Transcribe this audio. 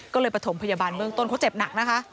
ก็เลยประถมพยาบาลเบื้องต้นเขาเจ็บหนักนะคะ